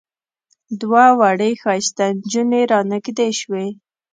دوه وړې ښایسته نجونې را نږدې شوې.